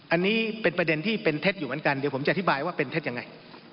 อันนี้เป็นประเด็นที่เป็นเท็จอยู่เหมือนกันเดี๋ยวผมจะอธิบายว่าเป็นเท็จยังไง